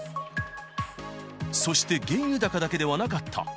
そして原油高だけではなかった。